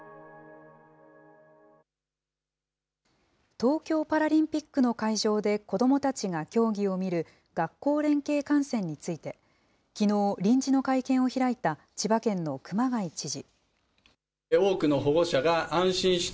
東京パラリンピックの会場で子どもたちが競技を見る学校連携観戦について、きのう、臨時の会見を開いた、千葉県の熊谷知事。